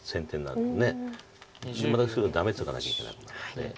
またすぐダメツガなきゃいけなくなるんで。